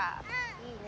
いいね。